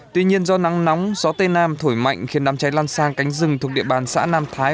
tuy nhiên do nắng nóng gió tây nam thổi mạnh khiến đám cháy lan sang cánh rừng thuộc địa bàn xã nam thái